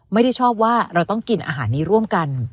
ไม่ได้ชอบว่าเราต้องกินอาหารนี้ร่วมกัน